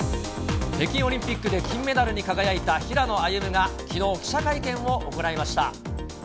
北京オリンピックで金メダルに輝いた平野歩夢が、きのう、記者会見を行いました。